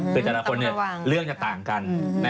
คือแต่ละคนเรื่องจะต่างกัน